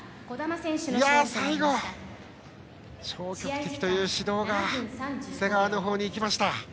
最後、消極的という指導が瀬川の方に行きました。